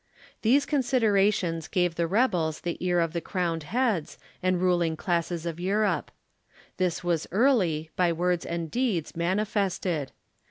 These considerations gave the rebels the ear of 6 tlie crowned heads, and ruling classes of Europe. This was early, by words and deeds, manifested.